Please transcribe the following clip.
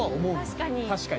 確かに。